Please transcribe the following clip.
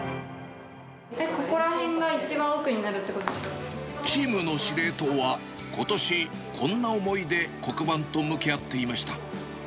ここら辺が一番、チームの司令塔は、ことしこんな思いで黒板と向き合っていました。